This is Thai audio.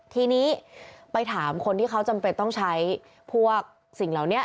ทีนี้ไปถามคนที่เขาจำเป็นต้องใช้พวกสิ่งเหล่านี้